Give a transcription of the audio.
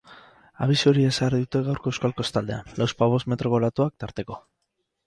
Abisu horia ezarri dute gaurko euskal kostaldean, lauzpabost metroko olatuak tarteko.